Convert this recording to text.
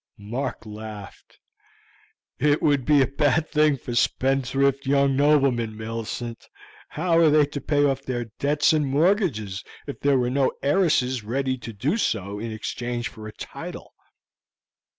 Mark laughed. "It would be a bad thing for spendthrift young noblemen, Millicent. How are they to pay off their debts and mortgages if there were no heiresses ready to do so in exchange for a title?"